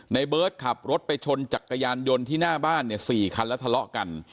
ในเบิร์ตขับรถไปชนจักรยานยนต์ที่หน้าบ้านเนี่ย๔คันแล้วทะเลาะกัน